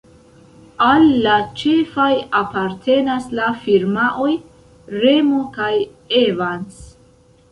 Al la ĉefaj apartenas la firmaoj "Remo" kaj "Evans".